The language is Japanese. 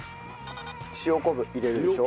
塩昆布入れるでしょ。